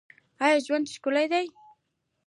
آیا ژوند ښکلی دی؟